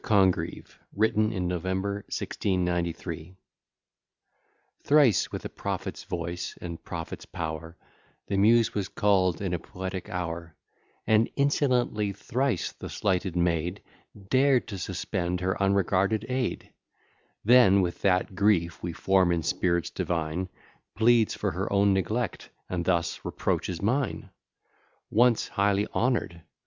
CONGREVE WRITTEN IN NOVEMBER, 1693 Thrice, with a prophet's voice, and prophet's power, The Muse was called in a poetic hour, And insolently thrice the slighted maid Dared to suspend her unregarded aid; Then with that grief we form in spirits divine, Pleads for her own neglect, and thus reproaches mine. Once highly honoured!